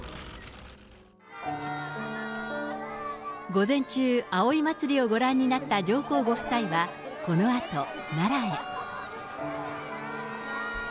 午前中、葵祭をご覧になった上皇ご夫妻はこのあと奈良へ。